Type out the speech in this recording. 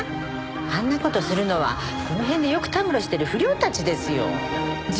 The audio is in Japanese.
あんな事するのはこの辺でよくたむろしてる不良たちですよ。